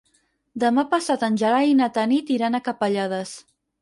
Demà passat en Gerai i na Tanit iran a Capellades.